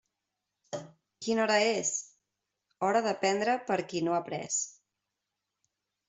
Quina hora és? Hora de prendre per qui no ha pres.